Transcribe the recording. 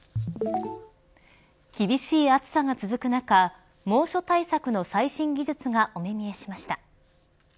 厳しい暑さが続く中猛暑対策の最新技術がお目見えしました。